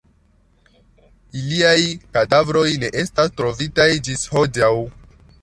Iliaj kadavroj ne estas trovitaj ĝis hodiaŭ.